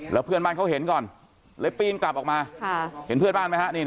แล้วเพื่อนบ้านเขาเห็นก่อนเลยปีนกลับออกมาเห็นเพื่อนบ้านไหมฮะ